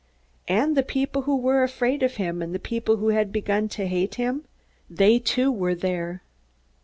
And the people who were afraid of him, and the people who had begun to hate him they too were there.